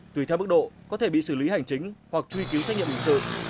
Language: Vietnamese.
tùy theo mức độ có thể bị xử lý hành chính hoặc truy cứu trách nhiệm hình sự